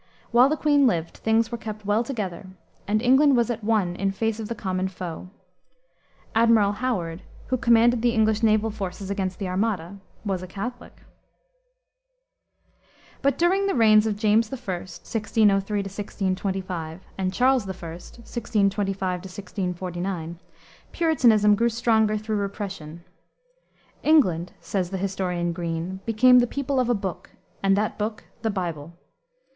While the queen lived things were kept well together and England was at one in face of the common foe. Admiral Howard, who commanded the English naval forces against the Armada, was a Catholic. But during the reigns of James I. (1603 1625) and Charles I. (1625 1649) Puritanism grew stronger through repression. "England," says the historian Green, "became the people of a book, and that book the Bible."